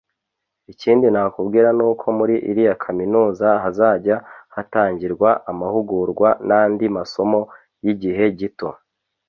Ikindi nakubwira nuko muri iriya kaminuza hazajya hatangirwa amahugurwa n’andi masomo y’igihe gito